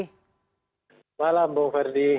selamat malam bapak ferdi